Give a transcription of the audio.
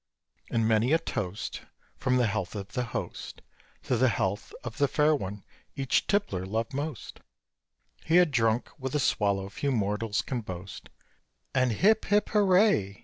And many a toast, From the health of the host To the health of the fair one each tippler loved most, He had drunk, with a swallow few mortals can boast And "Hip, hip, hooray!"